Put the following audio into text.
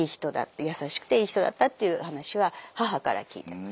優しくていい人だったという話は母から聞いてます。